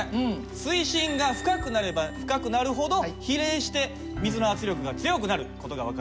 水深が深くなれば深くなるほど比例して水の圧力が強くなる事が分かりますね。